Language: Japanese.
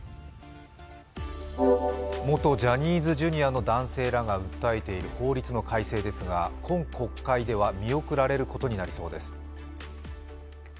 元ジャニーズＪｒ．の男性らが訴えている法律の改正ですが今国会では見送られることになりそうです。